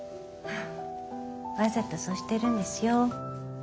わざとそうしてるんですよ。